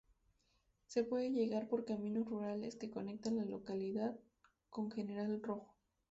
Se puede llegar por caminos rurales que conectan la localidad con General Rojo.